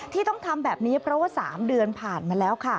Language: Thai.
ที่ต้องทำแบบนี้เพราะว่า๓เดือนผ่านมาแล้วค่ะ